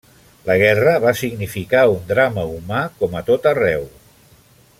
La Guerra va significar un drama humà, com a tot arreu.